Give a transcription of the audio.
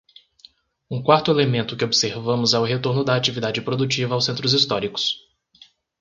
Um quarto elemento que observamos é o retorno da atividade produtiva aos centros históricos.